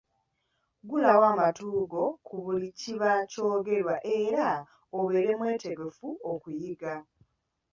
Ggulawo amatu go ku buli kiba kyogerwa era obeere mwetegefu okuyiga.